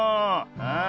うん。